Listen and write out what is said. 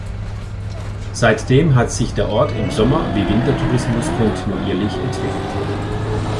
Seitdem hat sich der Ort im Sommer- wie Wintertourismus kontinuierlich entwickelt.